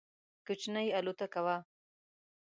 کوچنۍ الوتکه وه.